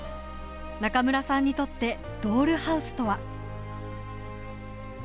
中村さんにとってドールハウスとは？